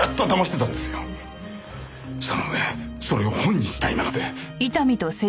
その上それを本にしたいなんて。